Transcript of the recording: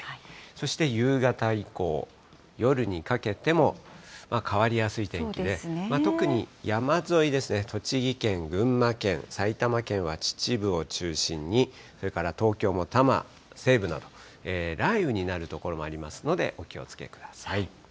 そして夕方以降、夜にかけても変わりやすい天気で、特に山沿いですね、栃木県、群馬県、埼玉県は秩父を中心に、それから東京も多摩西部など、雷雨になる所もありますので、お気をつけください。